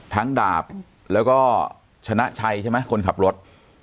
ทั้งดากแล้วก็ชนะใชใช่ไหมคนขับรถ